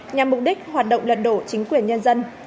nhằm mục đích hoạt động lật đổ chính quyền nhân dân